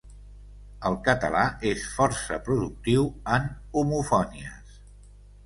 El català és força productiu en homofonies.